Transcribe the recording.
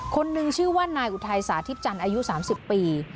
คนนึงชื่อว่านายอุทัยสาธิตจันทร์อายุ๓๐ปี